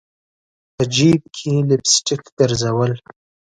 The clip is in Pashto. په جیب کي لپ سټک ګرزول